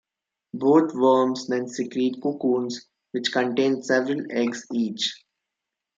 Both worms then secrete cocoons which contain several eggs each.